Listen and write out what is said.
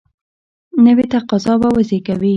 نوي تقاضا به وزیږي.